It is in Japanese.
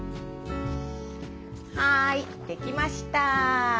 はい出来ました！